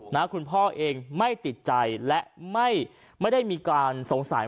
คุณพ่อเองไม่ติดใจและไม่ได้มีการสงสัย